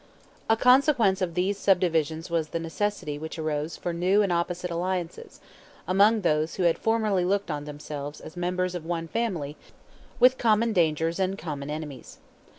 A consequence of these subdivisions was the necessity which arose for new and opposite alliances, among those who had formerly looked on themselves as members of one family, with common dangers and common enemies.